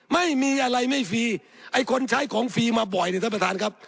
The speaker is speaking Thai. ไม่มีอะไรไม่ฟรีไอ้คนใช้ของฟรีมาบ่อยเนี่ยท่านประธานครับ